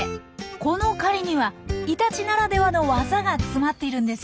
この狩りにはイタチならではの技が詰まっているんですよ。